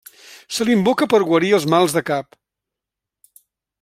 Se l'invoca per guarir els mals de cap.